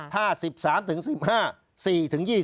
ถ้า๑๓ถึง๑๕๔ถึง๒๐ปี